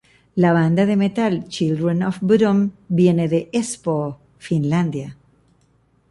La banda de metal Children of Bodom viene de Espoo, Finlandia.